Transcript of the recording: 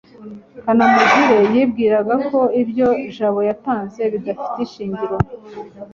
kanamugire yibwiraga ko ibyo jabo yatanze bidafite ishingiro